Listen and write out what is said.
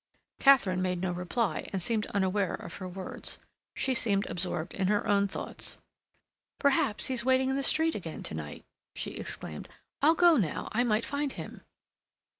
Katharine made no reply and seemed unaware of her words. She seemed absorbed in her own thoughts. "Perhaps he's waiting in the street again to night," she exclaimed. "I'll go now. I might find him."